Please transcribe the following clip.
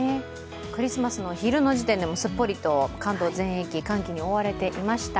クリスマスの昼の時点でもすっぽりと関東全域、寒気に覆われていました。